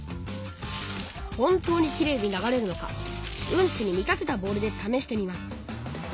本当にきれいに流れるのかうんちに見立てたボールでためしてみます